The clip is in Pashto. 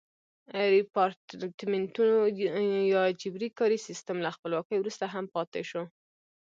ریپارټمنټو یا جبري کاري سیستم له خپلواکۍ وروسته هم پاتې شو.